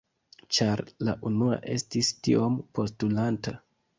Ĉar la unua estis tiom postulanta.